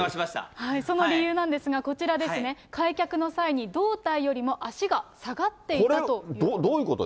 その理由なんですが、こちらですね、開脚の際に胴体よりも足が下がっていたと。